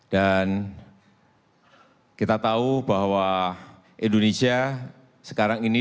dan kita tahu bahwa indonesia sekarang ini